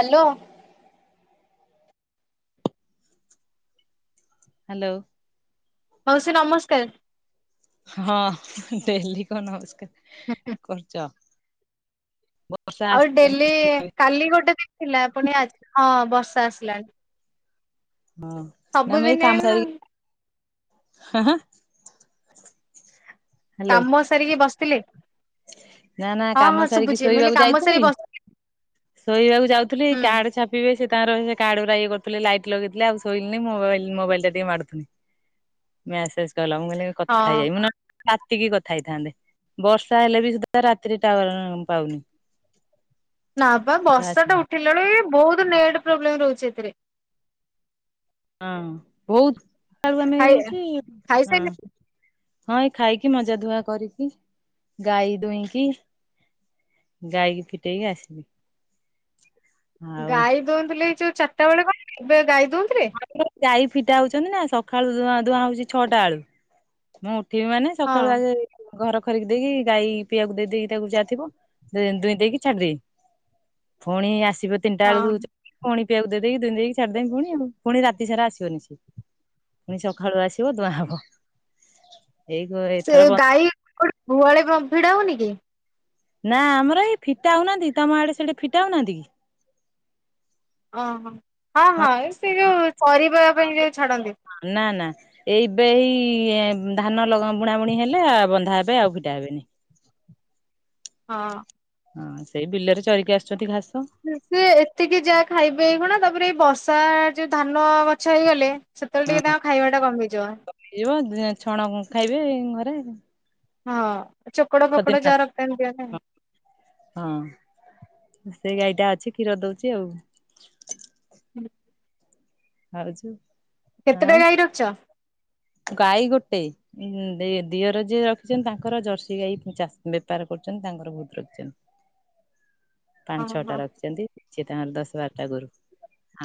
Hello. Hello. ମାଉସି ନମସ୍କାର। ହଁ ଡେଲି କଣ ନମସ୍କାର। ହୁଁ ହୁଁ। କରୁଚ ଆଉ ଏ ଡେଲି କାଲି ଗୋଟେ ଦିନ୍ ଥିଲା ପୁଣି ଆଜି ହଁ ବର୍ଷା ଆସିଲାଣି। ହଁ ନା ମୁଁ ଏଇ ସବୁଦିନେ କାମ ସାରିକି ହାଁ ହାଁ। ହ୍ୟାଲୋ କାମ ସାରିକି ବସିଥିଲେ? ନା ନା ହଁ ହଁ କାମ ସାରିକି ଶୁଭୁଛି ମୁଁ କହିଲି ଶୋଇବାକୁ କାମ ସାରି ଯାଇଥିଲି ବସିଥିଲି ଶୋଇବାକୁ ଯାଉଥୁଲି ଏଇ ହୁଁ କାଡ ଛା ପିବେ ସିଏ ତାଙ୍କର ସେ କାଡଉରା ଇଏ କରୁଥିଲେ ଲାଇଟ ଲଗେଇଥିଲେ ଆଉ ଶୋଇଲିନେଇଁ ମୋବାଇଲ ମୋବାଇଲଟା ଟିକେ ମାରୁୁଥିନି। ମ୍ୟାସେଜ୍ କଲା ମୁଁ କଇଲି କଥା ହେଇଆଇ ହଁ। ମୁଁ ନ ରାତିକି କଥା ହେଇଥାନ୍ତେ ବର୍ଷ୍ ତାହେଲେ ବି ସୁଧା ରାତିରେ ଟାୱାର ଉଁ ପାଉନି। ନା ପା ସୁଧା ବର୍ଷା ଟା ଆସିନି ଉଠିଲା ବେଳେ ଏ ବହୁତ ନେଟ ପ୍ରୋବ୍ଲେମ ରହୁଛି ଏଥିରେ। ହଁ ବହୁତ [unintelligible] ଆମେ ଖାଇ ହଉଚି ହଁ। ଖାଇସାରିଲେଣି ହଁ ଏଇ ଖାଇକି ମଜା ଧୁଆ କରିକି ଗାଈ ଦୁଇଁକି। ଗାଈକି ଫିଟେଇକି ଆସିନି। ଗାଈ ଦୁଉଁଥିଲେ ଏଇ ଯୋଉ ଚାରିଟା ବେଳେ କଣ ଏବେ ଗାଈ ଦୁଉଁଥିଲେ? ଗାଈ ଫିଟା ହଉଛନ୍ତି ନା ସକାଳୁ ଧୁଆ ଧୁଆଁ ହଉଛି ଛଅଟା ବେଳୁ। ମୁଁ ଉଠିବି ମାନେ ହଁ ସକାଳୁ ଆଗେ। ଘର ଖରିକି ଦେଇକି ଗାଈ ପିଇବାକୁ ଦେଇ ଦେଇକି ତାକୁ ଯାଇଥିବ ଦୁଇଁ ଦୁଇଁ ଦେଇକି ଛାଡିଦେଇ। ଫୁଣି ଆସିବ ତିନିଟା ବେଳକୁ ହଁ। ଚ ପୁଣି ପିଇବାକୁ ଦେଇ ଦେଇକି ଦୁଇଁ ଦେଇକି ଛାଡି ଦେମି ପୁଣି ଆଉ। ପୁଣି ରାତି ସାରା ଆସିବନି ସେ ପୁଣି ସକାଳୁ ଆସିବ ଦୁଆଁ ହବ। ଏଇ ସେ ଏଥର ଗାଈ [inaudible] ଗୁହାଳେ କଣ ଭିଡା ହଉନି କି? ନା ଆମର ଏଇ ଫିଟା ହଉନାହାନ୍ତି ତମ ଆଡେ ସେଠି ଫିଟା ହଉନାହାନ୍ତି କି? ଓହୋ ହଁ ହଁ ଏ ସେ ଯୋଉ ଚରିବା ପାଇଁ ଯୋଉ ଛାଡନ୍ତି। ନା ନା। ଏଇ ବେଇ ଏଁ ଉଁ ଧାନ ଲଗା ବୁଣା ବୁଣି ହେଲେ ଆ ବନ୍ଧା ହେବେ ଆଉ ଫିଟା ହେବେନି। ହଁ। ହଁ ସେଇ ବିଲରେ ଚରିକି ଆସୁଛନ୍ତି ଘାସ। ସେ ଏତିକି ଯାହା ଖାଇବେ ଏଇଖୁଣା ତାପରେ ଏଇ ବର୍ଷା ଯୋଉ ଧାନ ଗଛ ହେଇଗଲେ। ସେତେବେଳେ ଟିକେ ହଁ ତାଙ୍କ ଖାଇବା ଟା କମିଯିବ। ହେଇଯିବ ଦିନେ ଛଣଁ ଖାଇବେ ଘରେ। ହଁ ଚୋକଡ଼ ଖଦିନ ଫୋକଡ଼ ଘାସ ଯାହା ରଖିଥାନ୍ତି ଦିଅ ନା। ହଁ ସେଇ ଗାଈଟା ଅଛି କ୍ଷୀର ଦଉଛି ଆଉ। [unintelligible] ହଉଛୁ। କେତେଟା ଗାଈ ରଖିଛ? ଗାଈ ଗୋଟେ। ଉଁ ଦେଇ ଦିଅର ଯିଏ ରଖିଛନ୍ତି ତାଙ୍କର ଜର୍ସି ଗାଈ ଉଁ ଚାଶ ବେପାର କରୁଛନ୍ତି ତାଙ୍କର ବହୁତ ରଖିଛନ୍ତି। ହଁ ପାଞ୍ଚ ଛଅଟା ହଁ ରଖିଛନ୍ତି ସେ ତାଙ୍କର ଦଶ ବାରଟା ଗୋରୁ।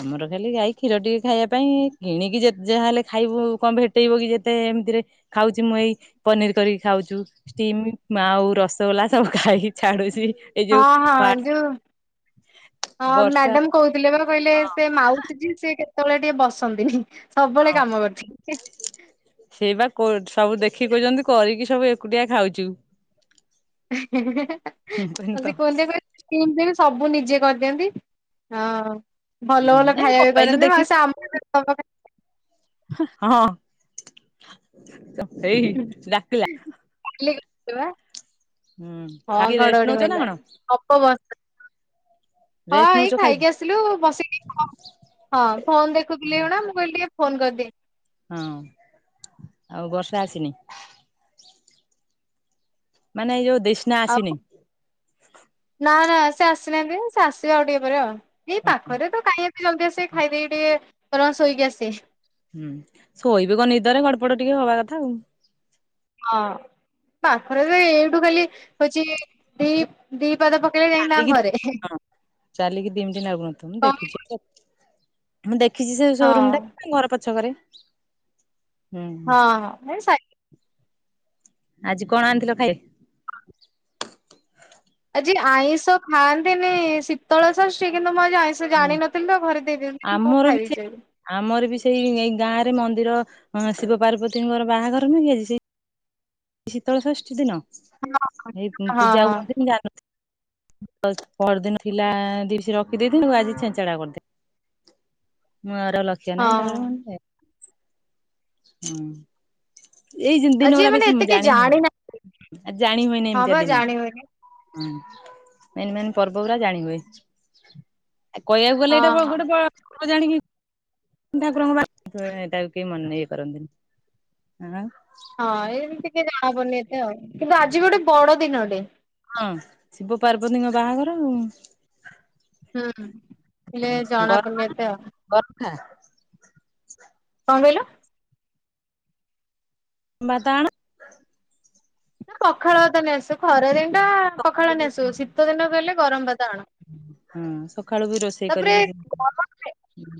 ଆମର ଖାଲି ଗାଈ କ୍ଷୀର ଟିକେ ଖାଇବା ପାଇଁ କିଣିକି ଯେତେ ଯାହାହେଲେ ଖାଇବୁ କଣ ଭେ ଟେଇବ କି ଯେତେ ଏମିତିରେ ଖାଉଛି ମୁଁ ଏଇ ପନିର କରିକି ଖାଉଛୁ। ଷ୍ଟିମ ମା ଆଉ ରସଗୋଲା ସବୁ ଖାଇକି ଛାଡୁଛି। ଏଇ ହଁ ଯୋଉ ହଁ ଯୋଉ ହଁ ବର୍ଷା ମ୍ୟାଡ଼ାମ କହୁଥିଲେ ବା କହିଲେ ହଁ ସେ ମାଉସି ଯିଏ ସେ କେତେବେଳେ ଟିକେ ବସନ୍ତିନି ସବୁବେଳେ କାମ କରୁଥି ହୁଁ। ସେଇବା କୋ ସବୁ ଦେଖି କହୁଛନ୍ତି କରିକି ସବୁ ଏକୁଟିଆ ଖାଉଛୁ। ହେଁ ହେଁ ହେଁ ହେଁ ହାଁ ଆଉ ସେ। [unintelligible] ଏମିତି ଏକା ସବୁ ନିଜେ କରିଦିଅନ୍ତି ହଁ। ହୁଁ ଭଲ ଭଲ ଏଇ ଖାଇବା ବି ମୋବାଇଲରୁ କରନ୍ତି ଦେଖିକି ବାସ ଆମକୁ ଦବା ପା ହଁ ହଁ ଏଇ ଡାକିଲା। ଇଲା କି ବା। ହୁଁ ହଁ ଖାଇକି ରେଷ୍ଟ ଘଡ଼ଘଡ଼ି ନଉଛ ନା ମାଇଲା। କଣ ହଁ ରେଷ୍ଟ ଏଇ ନଉଛ ଖାଇକି ଆସିଲୁ ବସିକି କ ହଁ ଫୋନ ଦେଖୁଥିଲି ଏଇଖୁଣା ମୁଁ କହିଲି ଟିକେ ଫୋନ କରିଦିିଏ। ହଁ ଆଉ ବର୍ଷା ଆସିନି? ମାନେ ଏ ଯୋଉ ଦେଷ୍ନା ଆଉ ଆସିନି। ନା ନା ସେ ଆସିନାହାନ୍ତି ସେ ଆସିବେ ଆଉ ଟିକେ ପରେ ଆଉ ଏଇ ପାଖରେ ତ କାହିଁ ଏ ଏ ଜଲଦୀ ଆସିବେ ଖାଇଦେଇକି ଟିକେ ର ଶୋଇକି ଆସିବେ। ହୁଁ ଶୋଇବେ କଣ ନିଦରେ ଗଡପଡ ଟିକେ ହବା କଥା ଆଉ। ହଁ ପାଖରେ ତ ଏ-ଏଇଠୁ ଖାଲି ହଉଛି ଦି ଦି ପାଦ ପକେଇଲେ ଯାଇକି ଚାଲିକି ତାଙ୍କ ଘରେ। ହଁ ଚାଲିକି ଦି ମିନଟି ନାଗୁନଥିବ ମୁଁ କଣ ଦେଖିଛି। ମୁଁ ଦେଖିଛି ସେ ସୋରୁମ୍ ହଁ ଟା ଘର ପଛକରେ। ହଁ ହଁ ସାଇ ହୁଁ-ହଁ ଆଜି କଣ ଆଣିଥିଲ ଖାଇ ଆଜି ଆଇଁଷ ଖାଆନ୍ତିନି ଶୀତଳ ସଷ୍ଟି କିନ୍ତୁ, ମୁଁ ଆଜି ଆଇଁଷ ସେ ହୁଁ ଜାଣିନଥିଲୁ ଆଉ ଘରେ ଦେଇଦେଇଥିଲେ ମୁଁ ଆମର ବି ଖାଇ ସେଇ ଦେଇଚି। ଆମର ବି ସେଇ ଏଇ ଗାଁ ରେ ମନ୍ଦିର ଶିବ ପାର୍ବତୀଙ୍କର ବାହାଘର ନୁହେଁ କି ଆଜି ସେ ଶୀତଳଷଷ୍ଠୀ ଦିନ ହଁ ଏଇ ହଁ ପୂଜା ହଁ ହୁଅନ୍ତି ଜାଣନଥିଲି। ପରଦିନ ଥିଲା ଦି ସ ରଖିଦେଇଥିଲି ଆଜି ଛେଞ୍ଚାଣା କରିଦେ ମୁଁ ଆର ଲକ୍ଷ ହଁ ନାହିଁ ତାପରେ ମୁଁ କହିଲି ହେଁ ହୁଁ। ଏଇ ଆଉ ଦିନ ଯିଏ ଗଲା ମାନେ ବେଶୀ ଏତେ କେହି ଜାଣି ଜାଣିନା ହୁଏନି ଆଉ ଜାଣି ହୁଏନି ହଁ ବା ଏମିତିଆ ଦିନ। ଜାଣି ହୁଏନି ହୁଁ ମେନ୍ ମେନ୍ ପର୍ବ ରା ଜାଣିହୁଏ। ଆ କହିବାକୁ ଗଲେ ହଁ ଏଇଟା ହଁ। ଗୋଟେ ଜାଣିବି। ଠାକୁରଙ୍କ ତାକୁ କେହି ମନେ ନେଇ କରନ୍ତିନି। ହଁ ଏମ୍ ତି ଟିକେ ଜାହା ହବନି ଏତେ ଆଉ କିନ୍ତୁ ଆଜି ବି ଗୋଟେ ବଡ ଦିନଟେ। ହଁ ଶିବ ପାର୍ବତୀଙ୍କ ବାହାଘର ଆଉ। ହୁଁ ହେଲେ ଜଣାପଡ଼ନି ଏତେ ଆଉ। ବରଥା। କଣ କହିଲ? ଵାଦାଆଣ। ନା ପଖାଳ ଭାତ ନେଇ ଆସୁ ଖରା ଦିନ ଟା ପଖାଳ ନେଇ ଆସୁ ଶୀତ ଦିନକୁ ଗଲେ ଗରମ ଭାତ ଆଣ। ହଁ ସକାଳୁ ବି ରୋଷେଇ ତାପରେ କରିକି ଗରମ୍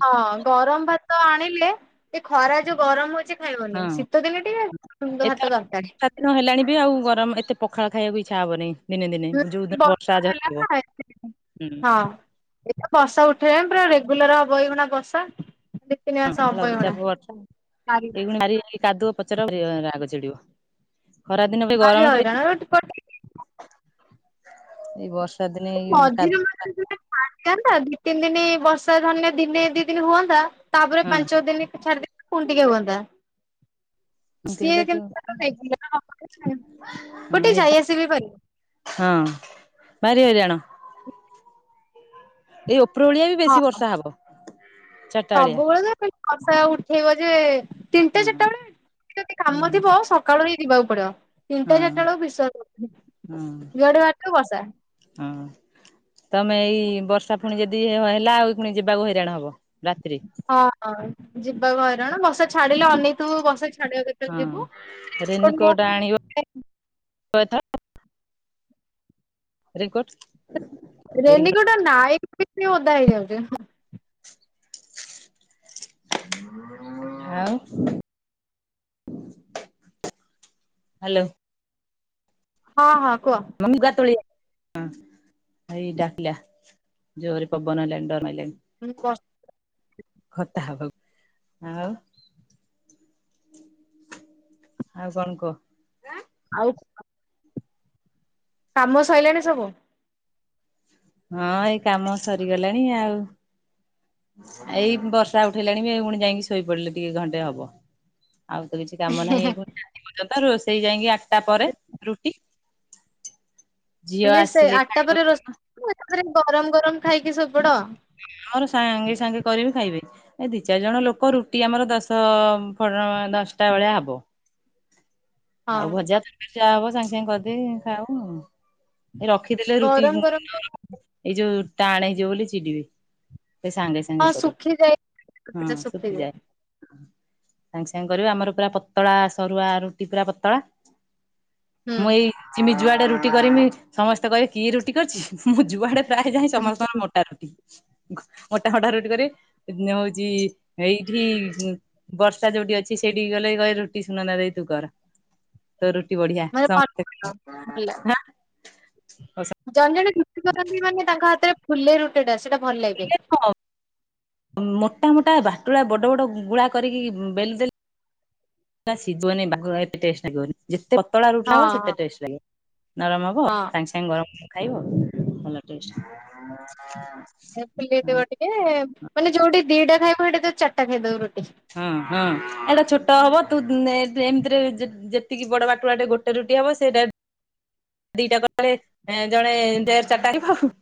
ହଁ ଗରମ ଭାତ ଆଣିଲେ। ଏ ଖରା ଯୋଉ ଗରମ ହଉଛି ଖାଇବନି ହଁ ଶୀତଦିନେ ଟିକେ ସୁନ୍ଦ ଭାତ ଦରକାର। ନ ହେଲାଣି ବି ଆଉ ଗରମ ଏତେ ପଖା ଖବାକୁ ଇଚ୍ଛା ହବନି। ଦିନେ ଦିନେ ଯୋଉ ଦିନ ବର୍ଷା ଆଜି ହେଲା ନା ହୋଉଥିବା ହଁ। ହୁଁ। ବର୍ଷା ଉଠେଇବା ପୁରା ରେଗୁଲାର ହବ ଏଇନା ବସା। ହଁ ଲଘୁଚାପ ବର୍ଷା ଭାରି ଏଇଗୁ ମାରି କାଦୁଅ ପଚରା ରାଗ ଚିଡିବ। ଖରା ଦିନ ଭାରି ଗରମ ସଇଛି ହଇରାଣ ଏଇ ବର୍ଷ। ମଝିରେ ମାତା ଦି ତିନି ଦିନ ବର୍ଷା ଧ ଦିନେ ଦି ଦିନ ହୁଅନ୍ତା ତାପରେ ହଁ ପାଞ୍ଚ ଦିନ ଛାଡିକି ପୁଣି ଟିକେ ହୁଅନ୍ତା। ଏମିତି ସିଏ ହେଲେ ତୁ ହଁ ଗୋଟେ ହେଇ ଯାଇ ଆସିବି ପାରିବ। ହଁ ଭାରି ହଇରାଣ। ଏଇ ଉପର ଓଳିଆ ବି ହଁ ବେଶୀ ବର୍ଷା ହବ। ଚାରିଟା ବେଳିଆ ସବୁବେଳେ ତ ବର୍ଷା ଉଠେଇବ ଯେ ତିନିଟା ହୁଁ ଚାରିଟା ବେଳେ ଯଦି ହୁଁ କାମ ଥିବ ଆଉ। ସକାଳୁ ହି ଯିବାକୁ ପଡିବ ହଁ ତିନିଟା ଚାରିଟା ବେଳକୁ ବିଶ୍ୱାସ କରିବୁନି ହଁ ଯୁଆଡେ ଯିବୁ ବର୍ଷା। ହଁ। ତମେ ଏଇ ବର୍ଷା ପୁଣି ଯଦି ହେଲା ଆଉ ଏ ପୁଣି ଯିବାକୁ ହଇରାଣ ହବ ରାତିିରେ। ହଁ ହଁ ଯିବାକୁ ହଇରାଣ ବର୍ଷା ଛାଡିଲେ ଅନେଇଥିବୁ ବର୍ଷା ଛାଡିବ କେ ହଁ ରେନିକୋଟ ଆଣିବ ଏଥର। ରିଙ୍କୋଟ୍। ରେନିକୋଟ ନାୟକ ବି ଓଧା ହେଇଯାଉଛି। ଆଉ ହ୍ୟାଲୋ। ହଁ ହଁ କୁହ। ମୋ ଲୁଗା ତୋଳିଆ ହେଇ ଡାକିଲା। ଜୋରେ ପବନ ହେଲାଣି ଡରମାଇଲାଣି। ହଁ। ଖଥା ହବାକୁ ଆଉ ଆଉ କଣ କହ? ଆଉ କାମ ସଇଲାଣି ସବୁ? ହଁ ଏଇ କାମ ସରିଗଲାଣି ଆଉ। ଏଇ ବର୍ଷା ଉଠେଇଲାଣି ବେ ପୁଣି ଯାଇକି ଶୋଇ ପଡିଲେ ଟିକେ ଘଣ୍ଟେ ହବ। ଆଉ ତ କିଛି କାମ ନାହିଁ ଏଇଖିଣିକା। ଯେ ପର୍ଯ୍ୟନ୍ତ ରୋଷେଇ ଯାଇକି ଆଟା ପରେ ରୁଟି। ଝିଅ ହେଲେ ସେ ଆସିଲେ ଆଟା ଖାଇବ ପରେ ରୋଷ କଣ [inaudible] ମୁଁ ଏକାଥରେ ମୁଁ ଗରମ ଗରମ ଖାଇକି ଶୋଇପଡ। ଆମର ସାଙ୍ଗେ ସାଙ୍ଗେ କରିବି ଖାଇବେ, ଏ ଦି ଚାରି ଜଣ ଲୋକ ରୁଟି ଆମର ଦଶ ତ [unintelligible] ଦଶଟା ଭଳିଆ ହବ। ହଁ ଆଉ ଭଜା [unintelligible] ହବ ସାଙ୍ଗେ ସାଙ୍ଗେ କରିଦେଇ ଖାଉ। ଏ ରଖିଦେଲେ ରୁଟି [inaudible] ଗରମ ଗରମ ଏଇ ଯୋଉ ଟାଣ ହେଇଯିବ ବୋଲି ଚିଡିବେ। ସେ ସାଙ୍ଗେ ସାଙ୍ଗେ ହଁ ସାଙ୍ଗେ ଶୁଖିଯାଏ ସରିବୁ ହଁ ଶୁଖିଯାଏ। ସାଙ୍ଗେ ସାଙ୍ଗେ କରିବ, ଆମର ପୁରା ପତଳା ସରୁଆ ରୁଟି ପୁରା ପତଳା। ମୁଁ ଏଇ ଚିମି ଯୁଆଡେ ରୁଟି କରିମି ସମସ୍ତେ କହିବେ, କିଏ ରୁଟି କରିଛି? ମୁଁ ଯୁଆଡେ ଯୁଆଡେ ଯାଏ ସମସ୍ତଙ୍କର ହୁଁ ମୋଟା ରୁଟି। ଘ- ମୋଟା ମୋଟା ରୁଟି କରିବେ। ନେ ହଉଚି ଏଇଠି ବି ଉଁ, ବର୍ଷା ଯୋଉଟି ଅଛି ସେଇଟିକି ଗଲେ ବି କହେ ରୁଟି ସୁନନ୍ଦା ଦେଇ ତୁ କର। ତୋ ରୁଟି ବଢିଆ। ମାନେ ସମ ଭଲ ଭଲ ଜଣେ ଜଣେ ରୁଟି କରନ୍ତି। ମାନେ ତାଙ୍କ ହାତରେ ଫୁଲେ ରୁଟେ ଟା ସେଟା ଭଲ ଲାଗେ। ମୋଟା ମୋଟା ବାଟୁଳା ବଡ ବଡ ଗୁଳା କରିକି ଉଁ, ବେଲି ଦେଲେ। ନା ସିଜିବନି ବାଗ ଏତେ ଟେଷ୍ଟ ଲାଗିବନି। ଯେତେ ପତଳା ରୁଟି ହଁ ଟା ହବ ସେତେ ଟେଷ୍ଟ ଲାଗିବ। ନରମ ହବ ହଁ ସାଙ୍ଗେ ସାଙ୍ଗେ ଗରମ ଖାଇବ ଭଲ ଟେଷ୍ଟ। ଏ ଫୁଲିଥିବ ଟିକେ, ମାନେ ଯୋଉଟି ଦିଟା ଖାଇବ ସେଟି ସେ ଚାରଟା ଖାଇଦବ ରୁଟି। ହଁ, ହଁ ଏଇଟା ଛୋଟ ହବ ତୁ ନେ ଏମିତିରେ ବି ଯେ ଯେତିକି ବଡ ବାଟୁଳା ଟେ ଗୋଟେ ରୁଟି ହବ ସେଇଟା ଦିଟା କଲେ ଏଁ, ଜଣେ ଡେର ଚାରଟା ବି ଖାଉ।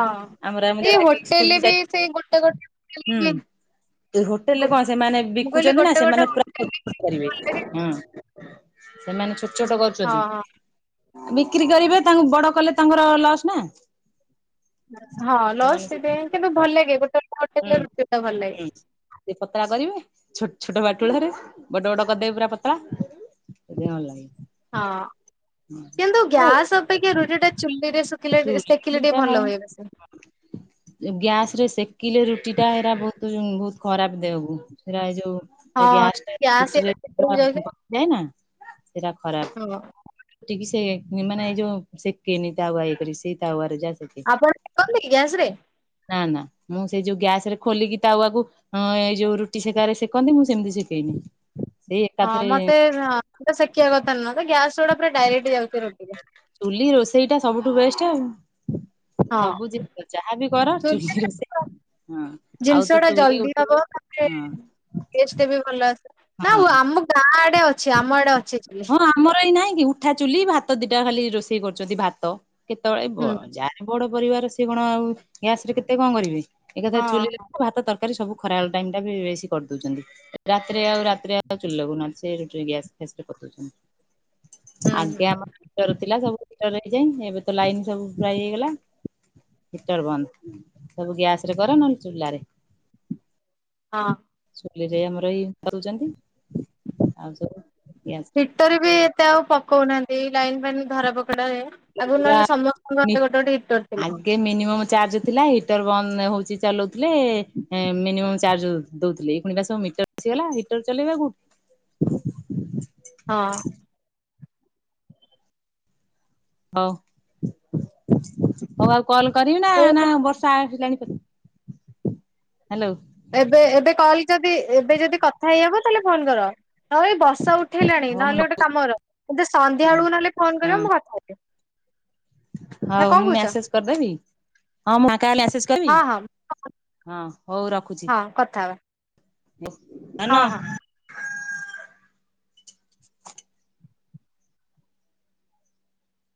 ଆଉ, ଆମର ଆମ ଏଇ [unintelligible] ରାଗିକି ସ୍କୁଲ୍ ହୋଟେଲରେ କୁ ବି ଯାଏ। ସେଇ ଗୋଟେ ଗୋଟେ ହୁଁ, ହୋଟେଲରେ ଏ ହୋଟେଲ୍ ରେ ବି କଣ ସେମାନେ ମୁଁ କହିଲି ବିକୁଛନ୍ତି ନା, ଗୋଟେ ଗୋଟେ ସେମାନେ ପୁରା [inaudible] କରିବେ। ହୋଟେଲରେ ବି ହଁ। ସେମାନେ ଛୋଟ ଛୋଟ ହଁ କରୁଛନ୍ତି। ବିକ୍ରି କରିବେ ତାଙ୍କ ବଡ କଲେ ତାଙ୍କର ଲସ୍ ନା। ହଁ, ଲସ୍ ସେଥିପାଇଁ କିନ୍ତୁ ଭଲଲାଗେ। ହୋଟେଲ୍ ଟା ହୋଟେଲ୍ ରେ ହୁଁ ରୁଟି ଟା ଭଲ ହୁଁ। ଲାଗେ। ସେ ପତଳା କରିବେ। ଛୋଟ ଛୋଟ ବାଟୁଳା ରେ ବଡ ବଡ କରିଦେବେ ପୁରା ପତଳା। ସେଥିପାଇଁ ଭଲ ଲାଗେ। ହଁ, କିନ୍ତୁ ଆଉ ଗ୍ୟାସ୍ ଅପେକ୍ଷା ରୁଟି ଟା ଚୁଲିରେ ସ କିଲେ ଏ ସେକିଲେ ଟିକେ ଭଲ ହୁଏ ବେସି। ଏ ଗ୍ୟାସ୍ ରେ ସେକିଲେ ରୁଟି ଟା ଏରା ବହୁତୁ ଉଁ, ବହୁତ ଖରାପ ଦେହକୁ। ସେଟା ଏ ଯୋଉ ତା ହଁ ଗ୍ୟାସ୍ ଟା ଏଇଟା ରୁଟିରେ ଭିତରକୁ ପୁରା ଉଁ, ପ ଯାଏନା ସେଟା ଖରାପ। କଣ କହ? ରୁଟିକି ସେ ନି-ମାନେ ଏ ଯୋଉ ସେକେନି ତାୱା ଇଏ କରି। ସେଇ ତାୱରେ ଯା ସେକେ। ଆପଣ ସେକନ୍ତି କି ଗ୍ୟାସ୍ ରେ? ନା, ନା ମୁଁ ସେଇ ଯୋଉ ଗ୍ୟାସ୍ ରେ ଖୋଲିକି ତାୱାକୁ ହଁ ଏଇ ଯୋଉ ରୁଟି ସେକାରେ ସେକନ୍ତି ମୁଁ ସେମିତି ସେକେନି। ହଁ, ମୋତେ ସେ ହଁ ମୁଟେ ଶେକିବା କଥା ନୁହଁ। ତ ଗ୍ୟାସ୍ ଗୁଡା ପୁରା ଡାଇରେକ୍ଟ ଯାଉଚି ରୁଟିକୁ। ଚୁଲି ରୋଷେଇ ଟା ସବୁଠୁ ବେଷ୍ଟ ଆଉ। ହଁ ସବୁ ଜିନିଷ ଯାହାବି କର ଚୁଲି ଚୁଲିରେ ରୋଷେଇ। ହଁ, ଆଉ ଜିନିଷ ତ ଚୁଲି ଉଠିଗଲା। ହଁ। ଟେଷ୍ଟେ ବି ଭଲ ଆସେ। ନା ଓ ହଁ। ଆମ ଗାଁ ଆଡେ ଅଛି, ଆମ ଆଡେ ଅଛି ଚୁଲି। ହଁ ଆମର ଏଇ ନାଇଁ କି ଉଠା ଚୁଲି ଭାତ ଦିଟା ଖାଲି ରୋଷେଇ କରୁଛନ୍ତି। ଭାତ କେତେବେଳେ ବ ହୁଁ। ଯାହା ଯିଏ ବଡ ପରିବାର ସିଏ କଣ ଆଉ ଗ୍ୟାସ ରେ କେତେ କଣ କରିବେ। ଏକା ଥରେ ଚୁଲିରେ ହଁ। ଭାତ ତର କାରୀ ସବୁ ଖରାବେଳ ଟାଇମ ଟା ବି ବେଶୀ କରିଦଉଛନ୍ତି। ରାତିରେ ଆଉ ରାତିରେ ଆଉ ଚୁଲି ଲଗଉ ନାହାନ୍ତି। ସେ ରୁଟି ଗ୍ୟାସ ଫ୍ୟାସ ରେ କରିଦେଉଛନ୍ତି। ହୁଁ ହୁଁ ଆଗେ ଆମର ହିଟର ଥିଲା ସବୁ ହିଟରରେ ହେଇଯାଏ। ଏବେ ତ ଲାଇନ ସବୁ ପ୍ରାୟ ହେଇଗଲା। ହିଟର ବନ୍ଦ, ସବୁ ଗ୍ୟାସ ରେ କର, ନହଲେ ଚୁଲାରେ। ହଁ। ଚୁଲିରେ ଆମର ଇଏକରୁଛନ୍ତି। ଆଉ ସବୁ ଗ୍ୟାସ। ହିଟର ରେ ବି ଏତେ ଆଉ ପକଉନାହାନ୍ତି। ଲାଇନ ଫାଇନ ଧରା ପକଡା ହୁଏ। ଆଗରୁ ନହେଲେ ସମସ୍ତଙ୍କର ଗୋଟେ ଗୋଟେ ହିଟର ଥିଲା। ଟେ ମିନିମମ୍ ଚାର୍ଜ ଥିଲା। ହିଟର ବନ୍ଦ ହଉଚି ଚଲଉଥିଲେ ମିନିମମ୍ ଚାର୍ଜ ଦଉଥିଲେ। ଏଇନା ସବୁ ମିଟର ଆସିଗଲା ହିଟର ଚଲେଇବା କୋଉଠୁ। ହଁ। ହଉ। ହଉ ଆଉ କଲ କରିବି ନା ନା [unintelligible] ବର୍ଷା ଆସିଲାଣି ହ୍ୟାଲୋ। ଏବେ ଏବେ କଲ ଯଦି ଏବେ ଯଦି କଥା ହେଇ ହବ ତାହେଲେ ଫୋନ କର। ହଁ ଏଇ ବସ ଉଠେଇଲାଣି। ହଉ ମୁଁ ନହେଲେ ଗୋଟେ ଲଗଉଛି କାମ କର ମତେ ସନ୍ଧ୍ୟା ହଁ ବେଳକୁ ନହେଲେ ଫୋନ ହଁ କରିବ ମୁଁ କଥା ହେବି। ହ ହଉ ମୁଁ ମେସେଜ କରିଦେବି। ହଁ ମୁଁ ଫାଙ୍କା ମେସେଜ କରିବି। ହଁ ହଁ ହଁ ହଉ ର ହଁ କଥା ହବା। ଧନ। ହଁ ହଁ।